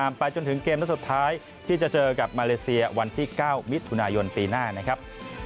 ไม่ว่าจะไปที่ไหนแต่ยืนยันนะครับ